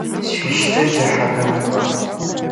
Сшәышьҭы џьаҳанымҟа…